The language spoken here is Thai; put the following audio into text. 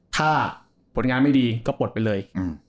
ถ้าผลงานไม่ดีก็ปลดไปเลย